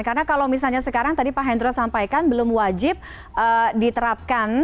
karena kalau misalnya sekarang tadi pak hendro sampaikan belum wajib diterapkan